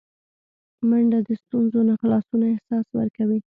منډه د ستونزو نه خلاصون احساس ورکوي